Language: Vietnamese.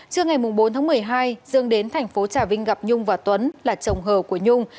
trước ngày bốn một mươi hai dương đến tp trà vinh gặp nhung và tuấn là chồng hờ của nhung